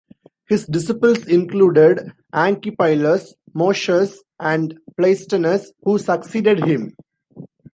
His disciples included Anchipylus, Moschus and Pleistanus, who succeeded him.